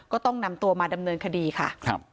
ก็ต้องนำตัวมาดำเนินคดีค่ะ